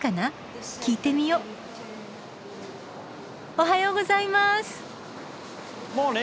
おはようございます。